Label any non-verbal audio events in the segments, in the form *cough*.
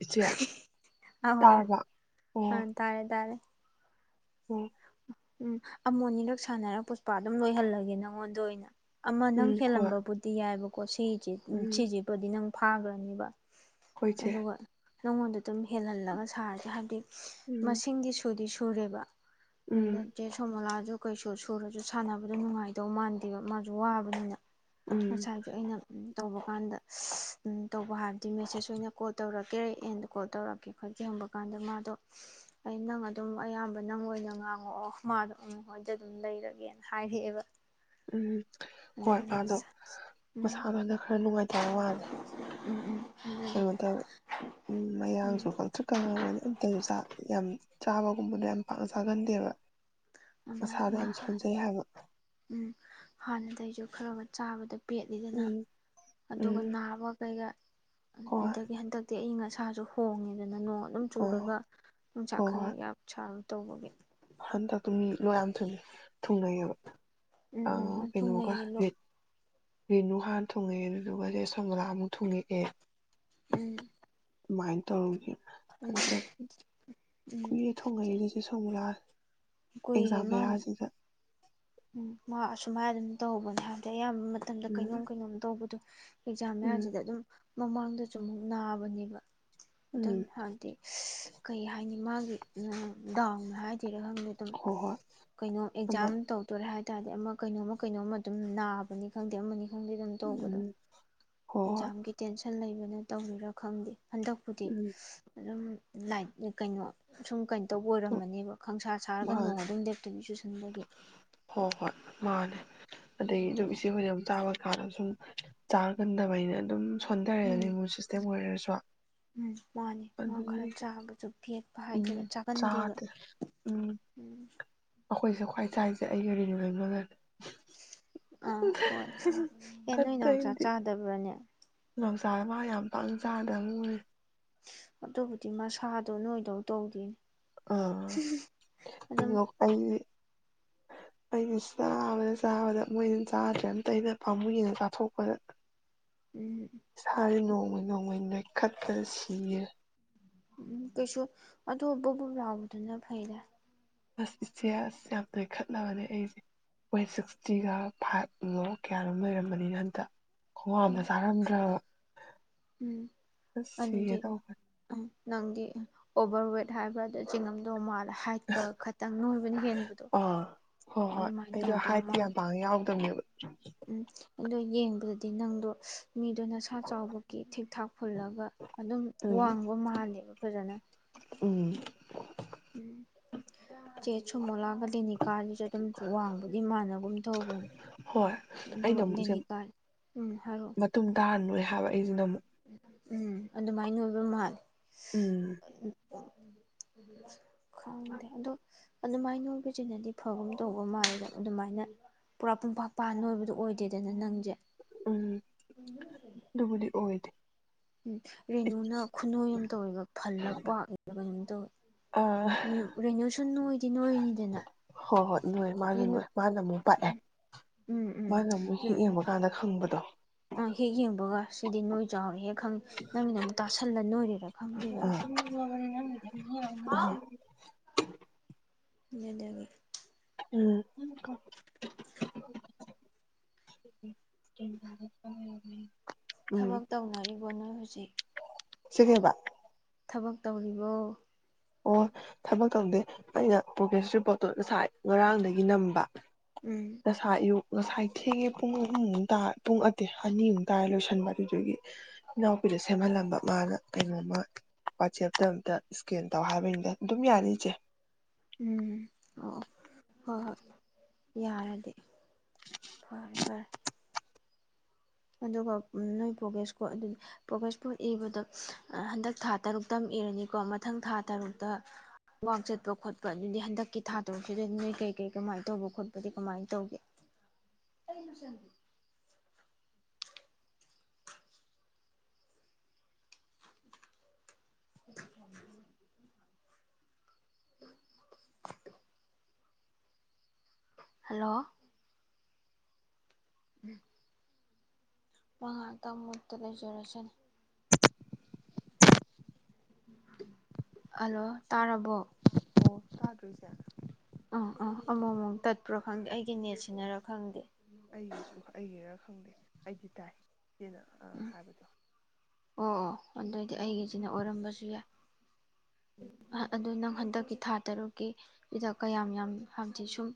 ꯏꯆꯦ ꯍꯤ ꯍꯤ ꯑꯎ ꯇꯥꯔꯕ ꯎꯝ ꯇꯥꯔꯦ ꯇꯥꯔꯦ ꯎꯝ ꯎꯝ ꯑꯃꯣ ꯑꯅꯤꯔꯛ ꯁꯥꯟꯅꯔ ꯄꯨꯁꯄꯥ ꯑꯗꯨꯝ ꯂꯣꯏꯍꯜꯂꯒꯦ ꯅꯉꯣꯟꯗ ꯑꯣꯏꯅ ꯑꯃ ꯅꯪ ꯎꯝ ꯍꯣꯏ ꯍꯦꯜꯂꯝꯕꯕꯨꯗꯤ ꯌꯥꯏꯕ ꯀꯣꯆꯤ ꯎꯝ ꯁꯤꯖꯤꯕꯨꯗꯤ ꯅꯪ ꯐꯥꯒ꯭ꯔꯅꯤꯕ ꯍꯣꯏ ꯏꯆꯦ ꯑꯗꯨꯒ ꯅꯉꯣꯟꯗ ꯑꯗꯨꯝ ꯍꯦꯜꯍꯜꯂꯒ ꯁꯥꯔꯁꯦ ꯍꯥꯏꯕꯗꯤ ꯎꯝ ꯃꯁꯤꯡꯗꯤ ꯁꯨꯗꯤ ꯁꯨ ꯁꯨꯔꯦꯕ ꯅ ꯎꯝ ꯆꯦ ꯁꯣꯃꯣꯂꯥ ꯑꯗꯨ ꯀꯩꯁꯨ ꯁꯣꯔꯁꯨ ꯁꯥꯟꯅꯕꯗ ꯅꯨꯡꯉꯥꯏꯗꯧ ꯃꯥꯟꯗꯦꯕ ꯃꯥꯖꯨ ꯋꯥꯕꯅꯤꯅ ꯎꯝ ꯉꯁꯥꯏꯒꯤ ꯑꯩꯅ ꯇꯧꯕ ꯀꯥꯟꯗ ꯑ ꯇꯧꯕ ꯍꯥꯜ ꯃꯦꯁꯦꯁ ꯑꯣꯏꯅ ꯀꯣꯜ ꯇꯧꯔꯛ ꯀꯔꯤꯒꯤ ꯏꯟ ꯀꯣꯜ ꯇꯧꯔꯛꯀꯦ ꯈꯣꯏ ꯌꯦꯡꯕ ꯀꯥꯟꯗ ꯃꯥꯗꯣ ꯑꯩ ꯅꯪ ꯑꯗꯨꯝ ꯑꯌꯥꯝꯕ ꯅꯪ ꯑꯣꯏꯅ ꯉꯥꯡ ꯑꯣ ꯑꯣ ꯃꯥꯗꯣ ꯎꯝ ꯍꯣꯏꯗ ꯑꯗꯨꯝ ꯂꯩꯔꯒꯦꯅ ꯍꯥꯏꯔꯛꯑꯦꯕ ꯎꯝ ꯍꯣꯏ ꯑꯗꯨꯗꯅ ꯃꯥꯗꯣ ꯑꯁ ꯎꯝ ꯃꯁꯥꯗꯨꯅ ꯈꯔ ꯅꯨꯡꯉꯥꯏꯇꯕ ꯃꯥꯜꯂꯦ ꯎꯝ ꯎꯝ ꯑꯗꯨꯗꯤ ꯀꯩꯅꯣ ꯇꯧꯋꯦ ꯃꯌꯥꯡꯁꯨ ꯀꯪꯊ꯭ꯔꯤꯛ ꯀꯪꯉꯕꯅꯤ ꯑꯝꯇꯁꯨ ꯆꯥ ꯌꯥꯝ ꯆꯥꯕꯒꯨꯝꯕꯗꯣ ꯌꯥꯝ ꯄꯥꯛꯅ ꯆꯥꯒꯟꯗꯦꯕ ꯎꯝ ꯃꯁꯥꯗꯣ ꯌꯥꯝ ꯁꯣꯟꯖꯩ ꯍꯥꯏꯕ ꯍꯥꯟꯅꯗꯩꯖꯨ ꯈꯔꯒ ꯆꯥꯕꯗ ꯄꯦꯠꯂꯤꯗꯅ ꯎꯝ ꯑꯗꯨꯒ ꯎꯝ ꯅꯥꯕ ꯀꯩꯒ ꯍꯣꯏ ꯑꯗꯒꯤ ꯍꯟꯗꯛꯇꯤ ꯑꯩ ꯏꯁꯥꯖꯨ ꯍꯣꯡꯉꯤꯗꯅ ꯅꯣꯡ ꯑꯗꯨꯝ ꯆꯨꯔꯒ ꯑꯣ ꯆꯥꯛ ꯍꯣꯏ ꯈꯔꯥ ꯌꯥꯝ ꯆꯥꯔꯥ ꯇꯧꯕꯒꯤ ꯍꯟꯗꯛꯇꯨ ꯃꯤ ꯂꯣꯛ ꯌꯥꯝ ꯊꯨꯨꯡꯉꯦ ꯊꯨꯡꯅꯩꯌꯦꯕ ꯑꯥ ꯎꯝ ꯎꯝ ꯊꯨꯡꯅ ꯀꯩꯅꯣꯒꯥ ꯌꯦꯜꯂꯣ ꯔꯠ ꯔꯦꯅꯨ ꯍꯥꯟ ꯊꯨꯡꯉꯛꯑꯦ ꯑꯗꯨꯢꯗꯨꯒ ꯆꯦ ꯁꯣꯃꯣꯂꯥꯗꯣ ꯊꯨꯡꯉꯛꯑꯦ ꯎꯝ ꯃꯥꯢ ꯇꯧꯔꯤꯒꯦ ꯎꯝ ꯀꯟꯗꯛ ꯎꯝ ꯀꯨꯏꯔꯦ ꯊꯨꯡꯉꯛꯏꯗꯣ ꯆꯦ ꯁꯣꯃ ꯅꯍꯥ ꯀꯨꯏꯔꯦ ꯑꯦꯛꯖꯥꯝ ꯃꯥꯅ ꯃꯌꯥꯖꯤꯗ ꯎꯝ ꯃꯥꯑ ꯁꯨꯃꯥꯏ ꯑꯗꯨꯝ ꯇꯧꯕꯅꯦ ꯍꯥꯏꯗꯤ ꯌꯥꯝ ꯃꯠ ꯃꯇꯝꯗ ꯎꯝ ꯀꯩꯅꯣꯝ ꯀꯩꯅꯣꯝ ꯇꯧꯕꯗꯣ ꯑꯦꯛꯖꯥꯝ ꯎꯝ ꯃꯌꯥꯖꯤꯗ ꯑꯗꯨꯝ ꯃꯃꯥꯡꯗꯁꯨ ꯃꯨꯛ ꯅꯥꯕꯅꯦꯕ ꯑꯗꯨꯝ ꯎꯝ ꯍꯥꯏꯗꯤ ꯀꯩ ꯍꯥꯏꯅꯤ ꯃꯥꯒꯤ ꯑ ꯗꯥꯎꯅ ꯍꯥꯏ ꯁꯤꯔ ꯈꯪꯗꯦ ꯑꯗꯨꯝ ꯍꯣꯏ ꯍꯣꯏ ꯀꯩꯅꯣ ꯑꯃ ꯑꯦꯛꯖꯥꯝ ꯇꯧ ꯍꯥꯏꯇꯥꯥꯔꯗꯤ ꯑꯃ ꯀꯩꯅꯣꯝꯃ ꯀꯩꯅꯣꯝꯃ ꯑꯗꯨꯝ ꯅꯥꯕꯅꯤ ꯈꯪꯗꯦ ꯑꯃꯅꯤ ꯎꯝ ꯍꯣꯏ ꯍꯣꯏ ꯖꯥꯝꯒꯤ ꯇꯦꯟꯁꯟ ꯂꯩꯕꯅꯦ ꯇꯧꯕꯔꯤꯕꯔꯥ ꯈꯪꯗꯦ ꯍꯟꯗꯛꯄꯨꯗꯤ ꯎꯝ ꯑꯗꯨꯝ ꯂꯥꯏꯅꯤ ꯀꯩꯅꯣ ꯁꯨꯝ ꯀꯩꯅꯣ ꯇꯧꯕ ꯑꯣꯏꯔꯝꯃꯅꯤꯕ ꯈꯪꯁꯥ ꯁꯥꯔꯒ ꯃꯥ ꯅꯣꯡ ꯑꯗꯨꯝ ꯂꯦꯞꯇꯕꯤ ꯆꯨꯁꯟꯕꯒꯤ ꯍꯣꯏ ꯍꯣꯏ ꯃꯥꯅꯦ ꯑꯗꯒꯤ ꯑꯗꯨꯝ ꯑꯗꯨꯗꯨꯅ ꯏꯆꯦ ꯍꯣꯏꯗ ꯑꯃꯨꯛ ꯆꯥ ꯆꯥꯕ ꯀꯥꯟꯗ ꯁꯨꯝ ꯆꯥꯒꯟꯗꯕꯩꯅꯦ ꯑꯗꯨꯝ ꯎꯝ ꯁꯣꯟꯊꯔꯦꯅ ꯏꯃꯨꯟ ꯁꯤꯁꯇꯦꯝ ꯑꯣꯏꯔꯁꯨ ꯎꯝ ꯃꯥꯅꯦ ꯃꯥ ꯈꯔ ꯑꯗꯨꯅꯤ ꯆꯥꯕꯁꯨ ꯄꯦꯠꯄ ꯎꯝ ꯍꯥꯏꯗꯣꯏꯔ ꯆꯥꯒꯟꯗꯦꯕ ꯆꯥꯗꯦ ꯎꯝ ꯎꯝ ꯑꯩꯈꯣꯏꯁꯦ ꯈ꯭ꯋꯥꯏ ꯆꯥꯏꯁꯦ ꯑꯩꯒ ꯔꯤꯅꯨ ꯂꯩꯃꯒꯅꯦ ꯑꯥ ꯍꯣꯏ ꯑꯦ ꯅꯣꯏ ꯅꯥꯎ ꯆꯥꯥꯛ ꯆꯥꯗꯕ꯭ꯔꯥꯅꯦ ꯅꯥꯝꯆꯥ ꯃꯥꯒ ꯌꯥꯝ ꯄꯥꯛ ꯆꯥꯗꯕꯝꯅꯦ ꯅꯣꯏꯔꯦ ꯑꯗꯨꯕꯨꯗꯤ ꯃꯁꯥꯗꯣ ꯅꯣꯏꯗꯧ ꯇꯧꯗꯦ ꯑ ꯀꯩꯅꯣ ꯑꯩꯗꯤ- ꯑꯩꯅ ꯆꯥꯕꯗ ꯆꯥꯕꯗ ꯃꯣꯏꯅ ꯆꯥꯗ꯭ꯔꯦ ꯑꯝꯇ ꯑꯩꯅ ꯄꯥꯝꯃꯨꯏꯅ ꯆꯥꯊꯣꯛꯄꯗ ꯎꯝ ꯁꯥꯔꯦ ꯅꯣꯡꯃꯩ ꯅꯣꯡꯃꯩ ꯈꯠꯄꯗ ꯁꯤꯔꯅꯤ ꯎꯝ ꯀꯩꯁꯨ ꯑꯗꯣ ꯕꯨꯞꯕꯨꯞ ꯂꯥꯎꯕꯗꯨꯅ ꯐꯩꯗ ꯑꯁ ꯏꯆꯦ ꯑꯁ ꯌꯥꯝ ꯅꯣꯏꯈꯠꯂꯕꯅꯦ ꯑꯩꯁꯦ ꯋꯦꯠ ꯁꯤꯛꯁꯇꯤꯒ ꯐꯥꯏꯚ ꯃꯨꯛ ꯀꯌꯥꯔꯣꯝ ꯂꯩꯔꯝꯕꯅꯤꯅ ꯍꯟꯇꯛ ꯈꯨꯋꯥ ꯎꯝ ꯑꯝꯅꯦ ꯆꯥꯔꯝꯗ꯭ꯔꯕ ꯎꯝ ꯑꯁ ꯁꯤꯒꯦ ꯑꯗꯨꯗꯤ ꯇꯧꯕꯅꯤ ꯎꯝ ꯅꯪꯗꯤ ꯑꯣꯚꯔ ꯋꯦꯠ ꯍꯥꯏꯕ꯭ꯔꯥꯗ ꯆꯤꯡꯉꯝꯗꯧ ꯃꯥꯜꯂꯦ ꯍꯥꯏꯠꯀ ꯈꯤꯇꯪ ꯅꯣꯏꯕꯅ ꯍꯦꯟꯕꯗꯣ ꯑꯥ ꯍꯣꯏ ꯍꯣꯏ ꯑꯗꯨꯃꯥꯏꯅ ꯑꯩꯗꯣ ꯇꯧꯗꯧ ꯍꯥꯏꯠꯇꯤ ꯌꯥꯝ ꯃꯥꯂꯦ ꯄꯥꯡꯅ ꯌꯥꯎꯗꯕꯅꯦꯕ ꯎꯝ ꯑꯗꯣ ꯌꯦꯡꯕꯗ ꯑꯗꯤ ꯅꯪꯗꯣ ꯃꯤꯗꯣ ꯅꯁꯥꯥ ꯆꯥꯎꯕꯒꯤ ꯊꯤꯛꯊꯥꯛ ꯐꯨꯜꯂꯒ ꯑꯗꯨꯝ ꯎꯝ ꯋꯥꯡꯕ ꯃꯥꯟꯗꯦꯕ ꯐꯖꯅ ꯎꯝ ꯎꯝ ꯆꯦ ꯆꯨꯝꯃꯣꯂꯥꯒ ꯂꯦꯅꯤꯀꯥꯒꯤꯁꯨ ꯑꯗꯨꯝ ꯋꯥꯡꯕꯗꯤ ꯃꯥꯟꯅꯒꯨꯝ ꯇꯧꯕꯅꯦ ꯍꯣꯏ ꯑꯩꯅ ꯑꯗꯨꯒ ꯑꯃꯨꯛ ꯏꯆꯦ ꯂꯦꯅꯤꯀꯥ ꯎꯝ ꯍꯥꯏꯔꯛꯑꯣ ꯊꯕ ꯑꯩꯁꯨ ꯉꯝꯃꯨ ꯎꯝ ꯑꯗꯨꯃꯥꯏꯅ ꯅꯣꯏꯕ ꯃꯥꯜꯂꯦ ꯎꯝ ꯎꯝ ꯈꯪꯗꯦ ꯑꯗꯣ ꯑꯗꯨꯃꯥꯏꯅ ꯅꯣꯏꯕꯁꯤꯅꯗꯤ ꯐꯕꯒꯨꯝ ꯇꯧꯕ ꯃꯥꯜꯂꯤ ꯅꯪ ꯑꯗꯨꯃꯥꯏꯅ ꯄꯨꯔꯥ ꯄꯨꯡꯄꯥꯛ ꯄꯥ ꯅꯣꯏꯕꯗꯣ ꯑꯣꯏꯗꯦꯗꯅ ꯅꯪꯁꯦ ꯎꯝ ꯑꯗꯨꯕꯨꯗꯤ ꯑꯣꯏꯗꯦ ꯎꯝ ꯔꯦꯅꯨꯅ ꯈꯨꯅꯣꯏ ꯑꯃ ꯇꯧꯑꯦꯕ ꯐꯜꯂꯒ ꯄꯥꯛ ꯀꯩꯅꯣꯝ ꯇꯧꯋꯦ ꯑꯥ ꯔꯦꯅꯨꯁꯨ ꯅꯣꯏ ꯍꯣꯏ ꯍꯣꯏ ꯅꯣꯏ ꯃꯥꯁꯨ ꯎꯝ ꯅꯣꯏ ꯃꯥꯅ ꯑꯃꯨꯛ ꯄꯥꯛꯑꯦ ꯎꯝ ꯃꯥꯅ ꯑꯃꯨꯛ ꯍꯦꯛ ꯌꯦꯡꯕꯀꯥꯟꯗ ꯈꯪꯕꯗ *inaudible* ꯑ ꯍꯦꯛ ꯌꯦꯡꯕꯒ ꯁꯤꯗꯤ ꯅꯣꯏ ꯆꯥꯎꯔꯦꯍꯦ ꯅꯪꯒꯤꯅ ꯑꯃꯨꯛ ꯇꯥꯁꯤꯜꯂ ꯅꯣꯏꯔꯤꯔꯥ ꯈꯪꯗꯦꯕ ꯑꯥ ꯍꯥꯎ *inaudible* ꯎꯝ *inaudible* *inaudible* ꯎꯝ ꯊꯕꯛ ꯇꯧꯅꯔꯤꯕꯣ ꯅꯣꯏ ꯍꯧꯖꯤꯛ ꯁꯤꯅꯦꯕ ꯊꯕꯛ ꯇꯧꯔꯤꯕꯣ ꯑꯣ ꯊꯕꯛ ꯇꯧꯗꯦ ꯑꯩꯅ ꯄ꯭ꯔꯣꯒ꯭ꯔꯦꯁ ꯔꯤꯄꯣꯔꯠꯇꯣ ꯉꯁꯥꯏ ꯉꯔꯥꯡꯗꯒꯤ ꯅꯝꯕ ꯎꯝ ꯉꯁꯥꯏ ꯑꯌꯨꯛ ꯉꯁꯥꯏ ꯊꯦꯡꯉꯦ ꯄꯨꯡ ꯑꯍꯨꯝꯃꯨꯛꯇꯥ ꯄꯨꯡ ꯑꯠꯇꯦ ꯑꯅꯤꯃꯨꯛ ꯇꯥꯔꯦ ꯂꯣꯏꯁꯟꯕ ꯑꯗꯨꯗꯨꯒꯤ ꯏꯅꯥꯎꯄꯤꯗ ꯁꯦꯝꯍꯜꯂꯝꯕ ꯃꯥꯅ ꯀꯩꯅꯣꯝꯃ ꯋꯥꯆꯦꯞꯇ ꯑꯝꯇ ꯏꯁꯀꯦꯟ ꯇꯧ ꯍꯥꯏꯕꯅꯤꯗ ꯑꯗꯨꯝ ꯌꯥꯅꯤꯆꯦ ꯎꯝ ꯑꯣ ꯑꯣ ꯍꯣꯏ ꯍꯣꯏ ꯌꯥꯔꯗꯤ ꯐꯔꯦ ꯐꯔꯦ ꯑꯗꯨꯒ ꯅꯣꯏ ꯄ꯭ꯔꯣꯒ꯭ꯔꯦꯁ ꯀꯣꯠ ꯑꯗꯨꯗꯤ ꯄ꯭ꯔꯣꯒ꯭ꯔꯦꯁ ꯀꯣꯠ ꯏꯕꯗꯣ ꯍꯟꯗꯛ ꯊꯥ ꯇꯔꯨꯛꯇ ꯑꯃ ꯏꯔꯅꯤꯀꯣ ꯃꯊꯪ ꯊꯥ ꯇꯔꯨꯛꯇ ꯋꯥꯛ ꯆꯠꯄ ꯈꯣꯠꯄ ꯑꯗꯨꯗꯤ ꯍꯟꯗꯛꯀꯤ ꯊꯥ ꯇꯔꯨꯛꯁꯤꯗ ꯅꯣꯏ ꯀꯩ ꯀꯩ ꯀꯃꯥꯏꯅ ꯇꯧꯕ ꯈꯣꯠꯄꯗꯤ ꯀꯃꯥꯏꯅ ꯇꯧꯒꯦ *inaudible* ꯍꯜꯂꯣ ꯎꯝ ꯉꯥꯛꯇꯪ ꯑꯃꯨꯛꯇ ꯂꯩꯖꯔꯁꯤꯅꯤ ꯍꯜꯂꯣ ꯇꯥꯔꯕꯣ ꯑꯣ ꯆꯥꯗꯣꯏꯁꯦ ꯑ ꯑ ꯑꯃꯃꯝ ꯇꯠꯄ꯭ꯔ ꯈꯪꯗꯦ ꯑꯩ ꯑꯩꯒꯤ ꯅꯦꯠ ꯑꯣ ꯁꯤꯟꯅꯔ ꯈꯪꯗꯦ ꯑꯩꯒꯤꯁꯨ ꯑꯩꯒꯤꯔ ꯑꯩꯗꯤ ꯇꯥꯏ ꯁꯤꯅ ꯑ ꯎꯝ ꯍꯥꯏꯕꯗꯣ ꯑꯣ ꯑꯣ ꯑꯗꯨꯑꯣꯏꯗꯤ ꯑꯩꯒꯤꯁꯤꯅ ꯑꯣꯏꯔꯝꯕꯁꯨ ꯌꯥꯏ ꯑꯗꯨ ꯅꯪ ꯍꯟꯗꯛꯀꯤ ꯊꯥ ꯇꯔꯨꯛꯀꯤ ꯁꯤꯗ ꯀꯌꯥꯝ ꯌꯥꯝ ꯍꯪꯆꯤꯠ ꯁꯨꯝ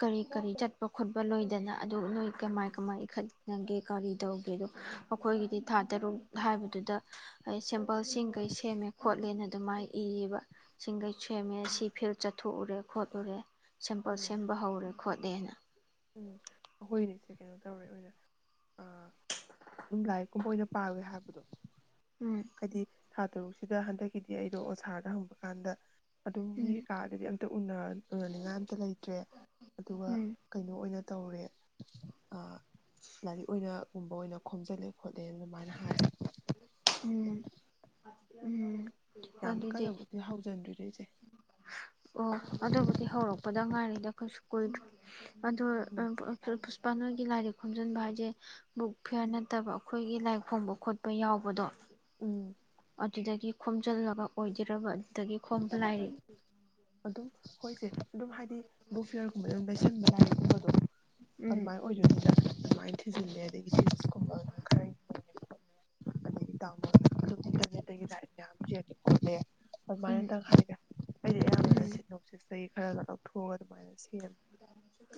ꯀꯔꯤ ꯀꯔꯤ ꯆꯠꯄ ꯈꯣꯠꯄ ꯂꯣꯏꯗꯅ ꯑꯗꯨ ꯅꯣꯏ ꯀꯃꯥꯏ ꯎꯝ ꯀꯃꯥꯏ ꯏꯈꯠꯅꯒꯦ ꯀꯔꯤ ꯇꯧꯒꯦꯗꯣ ꯑꯩꯈꯣꯏꯒꯤꯗꯤ ꯊꯥ ꯇꯔꯨꯛ ꯍꯥꯏꯕꯗꯨꯗ ꯑꯩ ꯁꯦꯝꯄꯜꯁꯤꯡꯈꯩ ꯁꯦꯝꯃꯦ ꯈꯣꯠꯂꯦꯅ ꯑꯗꯨꯃꯥꯏ ꯏꯌꯦꯕ ꯁꯤꯡꯈꯩ ꯁꯦꯝꯃꯦ ꯎꯝ ꯁꯤ ꯐꯤꯜ ꯆꯠꯊꯣꯛꯎꯔꯦ ꯍꯣꯠꯂꯨꯔꯦ ꯁꯦꯝꯄꯜ ꯎꯝ ꯁꯦꯝꯕ ꯍꯧꯔꯦ ꯈꯣꯏ *inaudible* ꯎꯝ ꯑꯩꯈꯣꯏꯅꯤꯁꯦ ꯀꯩꯅꯣ ꯇꯧꯔꯦ ꯑꯣꯏꯅ ꯂꯥꯏꯔꯤꯛꯀꯨꯝꯕ ꯑꯣꯏꯅ ꯄꯥꯒꯦ ꯍꯥꯏꯕꯗꯣ ꯎꯝ ꯍꯥꯏꯗꯤ ꯊ ꯇꯁꯤꯗ ꯍꯟꯗꯛꯀꯤꯗꯤ ꯑꯩꯗꯣ ꯑꯣꯁꯥꯔꯗ ꯍꯪꯕ ꯀꯥꯟꯗ ꯎꯝ ꯑꯗꯨꯃꯤꯒꯤ ꯀꯥꯗꯗꯤ ꯑ ꯑꯗꯨ ꯎꯟꯅ ꯎꯅꯅꯤꯡꯉ ꯑꯇ ꯂꯩꯇ꯭ꯔꯦ ꯑꯗꯨꯒ ꯎꯝ ꯑꯣꯏꯅ ꯇꯧꯔꯦ ꯂꯥꯏꯔꯤꯛ ꯑꯣꯏꯅꯒꯨꯝꯕ ꯑꯣꯏꯅ ꯈꯣꯝꯖꯤꯜꯂꯦ ꯈꯣꯗꯦ ꯑꯗꯨꯃꯥꯏꯅ ꯍꯥꯏ *inaudible* ꯎꯝ ꯎꯝ ꯌꯥꯝ ꯑꯗꯨꯗꯤ ꯀꯟꯅꯕꯨꯗꯤ ꯍꯧꯖꯤꯟꯗꯔꯤꯗ ꯑꯩꯁꯦ ꯑꯣ ꯑꯗꯨꯕꯨꯗꯤ ꯍꯧꯔꯛꯄꯗ ꯉꯥꯏꯔꯤꯗ ꯀꯩꯏꯁꯨ ꯀꯣꯏꯅ ꯎꯝ ꯑꯗ ꯄꯨꯁꯄꯥꯅ ꯂꯥꯏꯔꯤꯛ ꯈꯣꯝꯖꯤꯟꯕ ꯍꯥꯏꯁꯦ ꯕꯨꯛ ꯐꯤꯌꯥꯔ ꯅꯠꯇꯕ ꯑꯩꯈꯣꯏꯒꯤ ꯂꯥꯏꯔꯤꯛ ꯈꯣꯡꯕ ꯈꯣꯠꯄ ꯌꯥꯎꯕꯗꯣ ꯎꯝ ꯑꯗꯨꯗꯒꯤ ꯈꯣꯝꯖꯤꯜꯂꯒ ꯑꯣꯏꯗꯣꯔꯕꯅꯤ ꯑꯗꯒꯤ ꯈꯣꯝꯕ ꯂꯥꯏꯔꯤ ꯍꯣꯏꯁꯦ ꯑꯗꯨꯝ ꯍꯥꯏꯗꯤ ꯕꯨꯛ ꯐꯤꯌꯔꯒꯨꯝꯕ ꯑꯗꯨꯝ ꯂꯩꯁꯤꯟꯕ *inaudible* ꯎꯝ ꯑꯗꯨꯃꯥꯏ ꯑꯣꯏꯖꯣꯏ *unintelligible* ꯑꯗꯨꯅꯨꯡꯥꯏꯦ ꯑꯗꯒꯤꯀꯨꯝ ꯑꯗꯨ ꯈꯔ *inaudible* *inaudible* ꯃ ꯇꯣ *inaudible* *unintelligible* ꯑꯦ ꯑꯗꯨꯃꯥꯏꯅꯇꯪ ꯍꯥꯏꯒꯦ ꯎꯝ ꯑꯩꯗꯤ ꯏꯌꯥꯝꯕꯅ *unintelligible* ꯎꯝ ꯈꯔꯒ ꯂꯧꯊꯣꯛ ꯑꯒ ꯑꯗꯨꯃꯥꯏ *unintelligible*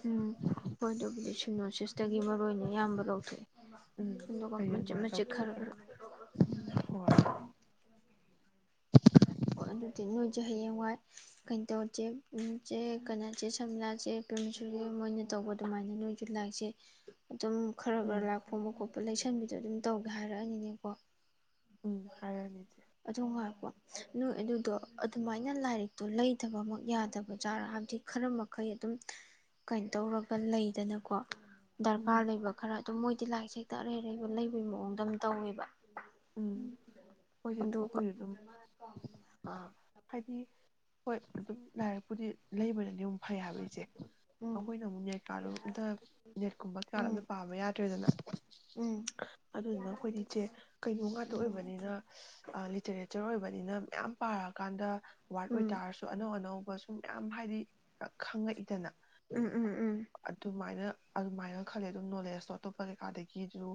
ꯎꯝ ꯍꯣꯏꯗ ꯀ *inaudible* ꯣ ꯁꯤꯁ *inaudible* ꯇꯒꯤ ꯃꯔꯨ ꯑꯣꯏꯅ ꯑꯌꯥꯝꯕ ꯂꯧꯊꯣꯛꯑꯦ ꯎꯝ ꯑꯗꯨꯒ ꯑꯩꯗꯤ ꯃꯆꯤꯠ ꯑꯗꯨꯃꯥꯏꯅ ꯃꯆꯤꯠ ꯈꯔ ꯂꯧꯊꯣꯛꯈ꯭ꯔꯦ ꯈꯔ ꯍꯣꯏ ꯎꯝ ꯑꯣ ꯑꯗꯨꯗꯤ ꯅꯣꯏꯁꯨ ꯍꯌꯦꯡꯋꯥꯏ ꯀꯩꯅꯣ ꯇꯧꯁꯦ ꯆꯦ ꯀꯩꯅꯁꯦ ꯁꯝꯂꯥꯥ ꯆꯦ ꯄꯝꯁꯨꯒꯤ ꯃꯣꯏꯅ ꯇꯧꯕ ꯑꯗꯨꯃꯥꯏꯅ ꯅꯣꯏꯁꯨ ꯂꯥꯏꯔꯤꯁꯦ ꯑꯗꯨꯝ ꯈꯔ ꯎꯝ ꯈꯔ ꯂꯥꯛꯄꯣꯡꯕ ꯈꯣꯠꯄ ꯂꯩꯁꯟꯕꯤꯗꯣ ꯑꯗꯨꯝ ꯇꯧꯒꯦ ꯍꯥꯏꯔꯛꯑꯅꯤꯅꯦꯀꯣ ꯎꯝ ꯍꯥꯏꯔꯅꯤ ꯏꯆꯦ ꯑꯗꯣ ꯉꯥꯏꯈꯣ ꯅꯣꯏ ꯑꯗꯨꯗꯣ ꯑꯗꯨꯃꯥꯏꯅ ꯂꯥꯏꯔꯤꯛꯇꯣ ꯂꯩꯗꯕꯃꯛ ꯌꯥꯗꯕꯖꯥꯠꯔ ꯍꯥꯏꯕꯗꯤ ꯈꯔ ꯃꯈꯩ ꯑꯗꯨꯝ ꯀꯩꯅꯣ ꯇꯧꯔꯒ ꯂꯩꯗꯅꯀꯣ ꯎꯝ ꯗꯔꯀꯥꯔ ꯂꯩꯕ ꯈꯔ ꯑꯗꯣ ꯃꯣꯏꯗꯤ ꯂꯥꯏꯔꯤꯛꯁꯦ ꯍꯦꯛꯇ ꯑꯔꯩ ꯑꯔꯩꯕ ꯍꯦꯛꯇ ꯂꯩꯕꯒꯤ ꯃꯑꯣꯡꯗ ꯇꯧꯋꯦꯕ ꯎꯝ ꯑꯩꯈꯣꯏꯁꯨ ꯑꯗꯨꯒ ꯑꯩꯈꯣꯏꯁꯨ ꯑꯗꯨꯝ ꯑꯥ ꯍꯥꯏꯗꯤ ꯍꯣꯏ ꯑꯗꯨꯝ ꯂꯥꯏꯔꯤꯛꯄꯨꯗꯤ ꯂꯩꯕꯅꯗꯤ ꯑꯃꯨꯛ ꯐꯩ ꯍꯥꯏꯕ ꯏꯆꯦ ꯎꯝ ꯑꯩꯈꯣꯏꯅ ꯑꯃꯨꯛ ꯅꯦꯠ ꯀꯥꯗꯣ ꯑꯃꯇ ꯅꯦꯠꯀꯨꯝꯕ ꯀꯩ ꯀꯥ ꯑꯗꯣ ꯎꯝ ꯑꯃꯇ ꯄꯥꯕ ꯌꯥꯗ꯭ꯔꯦꯗꯅ ꯎꯝ ꯑꯗꯨꯗꯨꯅ ꯑꯩꯈꯣꯏꯗꯤ ꯏꯆꯦ ꯀꯩꯅꯣ ꯉꯥꯛꯇ ꯎꯝ ꯑꯣꯏꯕꯅꯤꯅ ꯑ ꯂꯤꯇꯔꯦꯆꯔ ꯑꯣꯏꯕ ꯕꯅꯤꯅ ꯃꯌꯥꯝ ꯄꯥꯔꯀꯥꯟꯗ ꯋꯥꯔꯠ ꯎꯝ ꯑꯣꯏꯇꯥꯔꯁꯨ ꯑꯅꯧ ꯑꯅꯧ ꯁꯨꯝꯕ ꯁꯨꯝ ꯃꯌꯥꯝ ꯍꯥꯏꯗꯤ ꯈꯪꯉꯛꯏꯗꯅ ꯎꯝ ꯎꯝ ꯎꯝ ꯑꯗꯨꯃꯥꯏꯅ ꯑꯗꯨꯃꯥꯏꯅ ꯈꯜꯂꯦ ꯑꯗꯨꯝ ꯅꯣꯂꯦꯖꯇꯣ ꯑꯇꯣꯞꯄ ꯀꯩꯀꯗꯒꯤꯁꯨ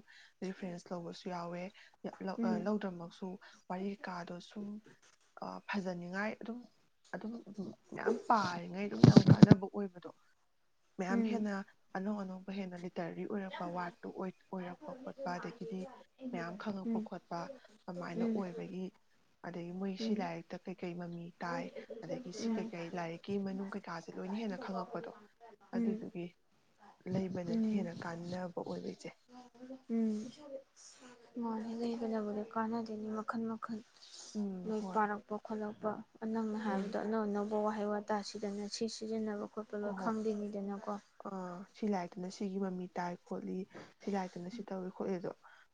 ꯔꯤꯐꯦꯔꯦꯟꯁ ꯂꯧꯕꯁꯨ ꯌꯨꯋꯦ ꯎꯝ ꯎꯝ ꯎꯝ ꯎꯝ ꯎꯝ ꯑ ꯂꯧꯗ꯭ꯔꯃꯛꯁꯨ ꯋꯥꯔꯤ ꯀꯩꯀꯥꯗꯣ ꯁꯨꯝ ꯑ ꯐꯖꯅꯤꯡꯉꯥꯏ ꯑꯗꯨꯝ ꯑꯗꯨꯝ ꯎꯝ ꯃꯌꯥꯝ ꯄꯥꯔꯤꯉꯩ ꯑꯗꯨꯝ ꯌꯥꯝ ꯊꯥꯖꯕ ꯑꯣꯏꯕꯗꯣ ꯃꯌꯥꯝ ꯍꯦꯟꯅ ꯑꯅꯧ ꯑꯅꯧ *unintelligible* ꯂꯤꯇꯔꯔꯤ ꯑꯣꯏꯔꯛꯄ ꯋꯥꯔꯗꯇꯣ ꯑꯣꯏ ꯑꯣꯏꯔꯛꯄ ꯈꯣꯠꯄ ꯑꯗꯨꯗꯒꯤꯗꯤ ꯃꯌꯥꯝ ꯈꯪꯉꯛꯄ ꯏꯕ ꯈꯣꯠꯄ ꯑꯗꯨꯃꯥꯏꯅ ꯑꯣꯏꯕꯒꯤ ꯑꯗꯒꯤ ꯃꯣꯏ ꯁꯤ ꯎꯝ ꯂꯥꯏꯔꯤꯛꯇ ꯀꯩ ꯀꯩ ꯇꯥꯏ ꯑꯗꯒꯤ ꯁꯤ ꯎꯝ ꯀꯩꯀꯩ ꯂꯥꯏꯔꯤꯛꯀꯤ ꯃꯅꯨꯡ ꯀꯩꯀꯥꯁꯦ ꯂꯣꯏꯅ ꯍꯦꯟꯅ ꯈꯪꯉꯛꯄꯗꯣ ꯑꯗꯨꯗꯨꯒꯤ ꯂꯩꯕꯅꯗꯤ ꯎꯝ ꯍꯦꯟꯅ ꯀꯥꯟꯅꯕ ꯑꯣꯏꯕꯒꯤ ꯆꯦ ꯎꯝ ꯃꯅꯤ ꯂꯩꯕꯅꯕꯨꯗꯤ ꯀꯥꯟꯅꯗꯨꯏꯅꯤ ꯃꯈꯜ ꯃꯈꯜ ꯎꯝ ꯂꯣꯏ ꯍꯣꯏ ꯄꯥꯔꯛꯄ ꯈꯣꯠꯂꯛꯄ ꯅꯪꯅ ꯎꯝ ꯍꯥꯏꯕꯗ ꯑꯅꯧ ꯑꯅꯧꯕ ꯋꯥꯍꯩ ꯋꯥꯇꯥ ꯇꯥꯁꯤꯗꯅ ꯁꯤ ꯁꯤꯖꯤꯟꯅꯕ ꯈꯣꯠꯄ ꯍꯣꯏ ꯂꯣꯏ ꯍꯣꯏ ꯈꯪꯗꯨꯏꯅꯤꯗꯅꯤ ꯀꯣ ꯃꯤꯒꯤ ꯃꯃꯤ ꯇꯥꯏ ꯂꯩ ꯈꯣꯠꯂꯤ ꯁꯤ ꯂꯥꯏꯔꯤꯛ ꯇꯨꯅ ꯁꯤ ꯇꯧꯏ ꯈꯣꯠꯂꯤ ꯑꯗꯣ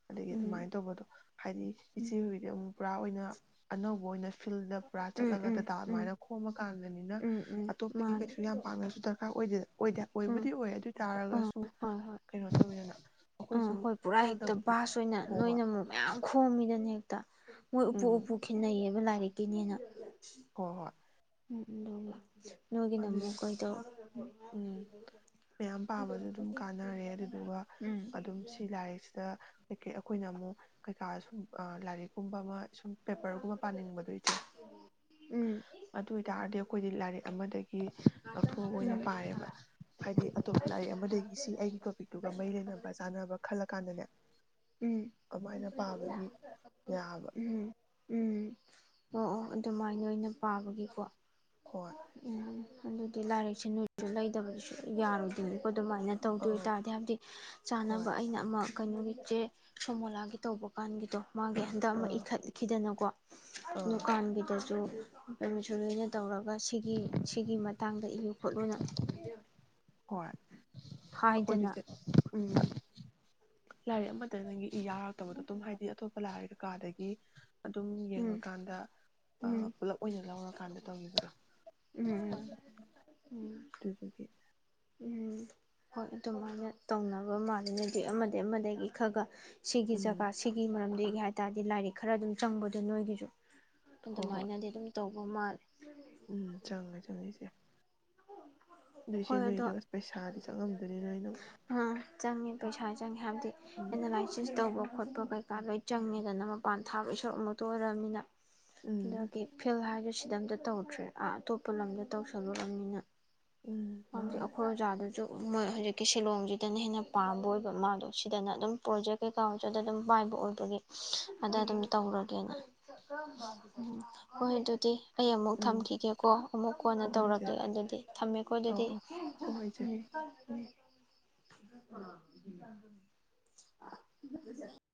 ꯑꯗꯒꯤ ꯎꯝ ꯑꯗꯨꯃꯥꯏꯅ ꯇꯧꯕꯗꯣ ꯍꯥꯏꯗꯤ ꯏꯆꯦ ꯎꯝ ꯍꯣꯏꯗꯤ ꯑꯃꯨꯛ ꯄꯨꯔꯥ ꯑꯣꯏꯅ ꯑꯅꯧꯕ ꯑꯣꯏꯅ ꯐꯤꯜꯗ ꯄꯨꯔꯥ ꯎꯝ ꯆꯠꯂꯒ ꯎꯝ ꯗꯗꯥ ꯎꯝ ꯑꯗꯨꯃꯥꯏꯅ ꯈꯣꯝꯃ ꯀꯥꯟꯗꯅꯤꯅ ꯎꯝ ꯎꯝ ꯑꯇꯣꯞꯄꯒꯤ ꯃꯥꯅꯦ ꯀꯩꯁꯨ ꯌꯥꯝ ꯗꯔꯀꯥꯔ ꯑꯣꯏꯗ ꯑꯣꯏꯗ ꯎꯝ ꯑꯣꯏꯕꯨꯗꯤ ꯑꯣꯏ ꯑꯗꯨ ꯑꯥ ꯑꯣꯏꯇꯥꯥꯔꯒꯁꯨ ꯍꯣꯏ ꯍꯣꯏ ꯀꯩꯅꯣ ꯇꯧꯋꯦ *inaudible* ꯑꯥ ꯍꯣꯏ ꯄꯨꯔꯥ ꯍꯦꯛꯇ ꯚꯁ ꯑꯣꯏꯅ ꯍꯣꯏ ꯅꯣꯏꯅ ꯍꯣꯏ ꯑꯃꯨꯛ ꯃꯌꯥꯝ ꯈꯣꯡꯝꯃꯤꯗꯅꯦ ꯍꯦꯛ ꯃꯣꯏ ꯎꯞꯄꯨ ꯎꯝ ꯎꯞꯄꯨ ꯈꯈꯤꯅꯩꯌꯦꯕ ꯂꯥꯏꯔꯤꯛ ꯀꯤꯅꯦꯅ ꯍꯣꯏ ꯍꯣꯏ ꯎꯝ ꯑꯗꯨꯒ ꯑꯗꯨ ꯎꯝ ꯃꯌꯥꯝ ꯄꯥꯕꯁꯨ ꯑꯗꯨꯝ ꯀꯥꯟꯅꯔꯦ ꯑꯗꯨꯗꯨꯒ ꯎꯝ ꯑꯗꯨꯝ ꯁꯤ ꯂꯥꯏꯔꯤꯛꯁꯤꯗ ꯑꯩꯈꯣꯏꯅ ꯑꯃꯨꯛ ꯀꯩꯀꯥ ꯁꯨꯝ ꯂꯥꯏꯔꯤꯛ ꯀꯨꯝꯕ ꯑꯃ ꯁꯨꯝ ꯄꯦꯄꯔꯒꯨꯝꯕ ꯄꯥꯅꯤꯡꯕꯗꯣꯏꯆꯦ ꯎꯝ ꯑꯗꯨ ꯑꯣꯏꯇꯥꯔꯗꯤ ꯑꯩꯈꯣꯏꯗꯤ ꯂꯥꯏꯔꯤꯛ ꯑꯃꯗ ꯎ ꯂꯧꯊꯣꯛ ꯑꯒꯥ ꯑꯣꯏꯅ ꯄꯥꯏꯌꯦꯕ ꯍꯥꯏꯗꯤ ꯑꯇꯣꯞꯄ ꯂꯥꯏꯔꯤꯛ ꯑꯃꯗꯒꯤ ꯁꯤ ꯑꯩꯒꯤ ꯇꯣꯄꯤꯛꯇꯨꯒ ꯃꯩ ꯂꯩꯅꯕ ꯆꯥꯅꯕ ꯈꯜꯂꯀꯥꯟꯗꯅꯦ ꯎꯝ ꯀꯃꯥꯏꯅ ꯄꯥꯕꯒꯤ ꯌꯥꯕ ꯎꯝ ꯎꯝ ꯑꯣ ꯑꯣ ꯑꯗꯨꯃꯥꯏꯅ ꯑꯣꯏꯅ ꯄꯥꯕꯒꯤꯀꯣ ꯍꯣꯏ ꯎꯝ ꯑꯗꯨꯗꯤ ꯂꯥꯏꯔꯤꯛꯁꯦ ꯅꯣꯏꯁꯨ ꯂꯩꯗꯅꯗꯤꯁꯨꯛ ꯌꯥꯔꯣꯏꯗꯣꯏꯅꯤꯀꯣ ꯑꯗꯨꯃꯥꯏꯅ ꯇꯧꯗꯣꯏ ꯑꯥ ꯇꯥꯔꯗꯤ ꯍꯥꯏꯕꯗꯤ ꯍꯣꯏ ꯆꯥꯅꯕ ꯑꯩꯅ ꯑꯃ ꯀꯩꯅꯣꯒꯤ ꯆꯦ ꯁꯣꯃꯣꯂꯥꯒꯤ ꯇꯧꯕ ꯀꯥꯟꯒꯤꯗꯣ ꯃꯥꯒꯤ ꯍꯟꯗꯛ ꯑꯃ ꯑꯥ ꯏꯈꯠꯈꯤꯗꯅ ꯀꯣ ꯑꯥ ꯎ ꯅꯪꯒꯤꯗꯁꯨ ꯑꯦꯃꯤꯁꯟꯂꯣꯏꯅ ꯇꯧꯔꯒꯥ ꯁꯤꯒꯤ ꯁꯤꯒꯤ ꯃꯇꯥꯡꯗ ꯏꯌꯨ ꯈꯣꯠꯂꯨꯅ ꯍꯣꯏ ꯍꯥꯏꯗꯅ ꯀꯣꯏꯗꯤꯆꯦ ꯎꯝ ꯂꯥꯏꯔꯤꯛ ꯑꯃꯇꯗꯒꯤ ꯌꯥꯔꯛꯇꯕꯗꯣ ꯑꯗꯨꯝ ꯍꯥꯏꯗꯤ ꯑꯇꯣꯞꯄ ꯂꯥꯛꯑꯒ ꯀꯥꯗꯒꯤ ꯑꯗꯨꯝ ꯎꯝ ꯌꯦꯡꯉꯀꯥꯟꯗ ꯎꯝ ꯄꯨꯂꯞ ꯑꯣꯏꯅ ꯂꯧꯔꯀꯥꯟꯗ ꯇꯧꯒꯤꯕꯗꯣ ꯎꯝ ꯎꯝ ꯑꯗꯨꯗꯨꯒꯤ ꯎꯝ ꯍꯣꯏ ꯑꯗꯨꯃꯥꯏꯅ ꯇꯧꯅꯕ ꯃꯥꯜꯂꯤ ꯑꯃꯗꯒꯤ ꯑꯃꯗꯒꯤ ꯈꯔ ꯈꯔ ꯁꯤꯒꯤ ꯎꯝ ꯖꯒꯥ ꯁꯤꯒꯤ ꯃꯔꯝꯗꯤ ꯍꯥꯏꯇꯥꯔꯗꯤ ꯂꯥꯏꯔꯤꯛ ꯈꯔ ꯑꯗꯨꯝ ꯆꯪꯕꯗ ꯑ ꯅꯣꯏꯒꯤꯁꯨ ꯍꯣꯏ ꯍꯣꯏ ꯑꯗꯨꯃꯥꯏꯅꯗꯤ ꯑꯗꯨꯝ ꯇꯧꯕ *unintelligible* ꯎꯝ ꯆꯪꯉ ꯆꯪꯉꯦ ꯏꯆꯦ ꯑꯗꯨ ꯏꯆꯦ ꯍꯣꯏ ꯑꯗꯣ ꯅꯣꯏꯁꯨ ꯑꯁ ꯄꯩꯁꯥꯗꯤ ꯆꯪꯉꯝꯗꯣꯏꯅꯤ ꯅꯣꯏꯅ ꯑꯥ ꯆꯪꯉꯦ ꯄꯩꯁꯥ ꯆꯪꯉꯦ ꯍꯥꯏꯕꯗꯤ ꯎꯝ ꯑꯦꯡꯅꯂꯥꯏꯁꯤꯁ ꯇꯧꯕ ꯐꯣꯇꯣꯄ ꯀꯩꯀꯥ ꯂꯣꯏ ꯆꯪꯉꯦꯗꯅ ꯃꯄꯥꯟ ꯊꯥꯕ ꯏꯁꯔꯣꯔꯛ ꯑꯃꯨꯛꯇ ꯑꯣꯏꯔꯃꯤꯅ ꯎꯝ *unintelligible* ꯁꯤꯗ ꯑꯃꯇ ꯇꯧꯗ꯭ꯔꯦ ꯑꯥ ꯑꯇꯣꯞꯄ ꯂꯝꯗ ꯇꯧꯁꯜꯂꯨꯨꯔꯝꯅꯤꯅ ꯎꯝ ꯍ ꯃꯥꯅꯦ ꯑꯈꯣꯏꯖꯥꯗꯨꯖꯨ ꯃꯣꯏ ꯍꯧꯖꯤꯛꯀꯤ ꯁꯤꯂꯣꯡꯁꯤꯗꯅ ꯍꯦꯟꯅ ꯄꯥꯝꯕ ꯑꯣꯏꯕ ꯃꯥꯗꯣ ꯁꯤꯗꯅ ꯑꯗꯨꯝ ꯄ꯭ꯔꯣꯖꯦꯛ ꯀꯩꯀꯥꯁꯨꯗ ꯑꯗꯨꯝ ꯄꯥꯏꯕ ꯑꯣꯏꯕꯒꯤ ꯑꯗ ꯑꯗꯨꯝ ꯎꯝ ꯇꯧꯔꯒꯦꯅꯦ ꯑꯣ ꯍꯣꯏ ꯑꯘꯨꯗꯤ ꯑꯩ ꯑꯃꯨꯛ ꯎꯝ ꯊꯝꯈꯤꯒꯦꯀꯣ ꯑꯃꯨꯛ ꯀꯣꯟꯅ ꯍꯣꯏ ꯍꯣꯏ ꯏꯆꯦ ꯇꯧꯔꯀꯦ ꯑꯗꯨꯗꯤ ꯊꯝꯃꯦꯀꯣ ꯑꯧ ꯑꯗꯨꯗꯤ ꯑꯧ ꯍꯣꯏ ꯍꯣꯏ ꯏꯆꯦ ꯎꯝ *inaudible*